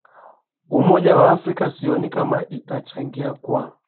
umoja ya afrika sioni kama itachangia kwa